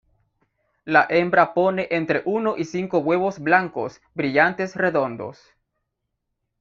La hembra pone entre uno y cinco huevos blancos brillantes redondos.